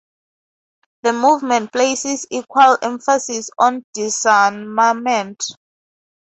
The movement places equal emphasis on disarmament.